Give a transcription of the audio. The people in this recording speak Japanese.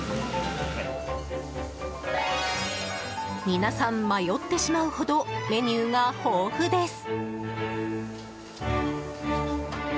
皆さん、迷ってしまうほどメニューが豊富です。